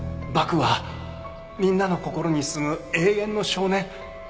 バクはみんなの心にすむ永遠の少年。